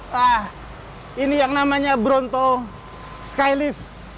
nah ini yang namanya bronto skylift